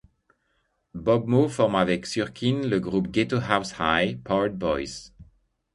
Bobmo forme avec Surkin le groupe Ghetto House High Powered Boys.